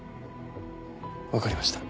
わかりました。